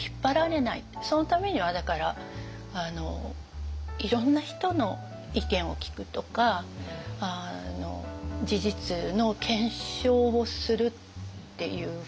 そのためにはだからいろんな人の意見を聞くとか事実の検証をするっていうことなんじゃないかなと思うんですよね。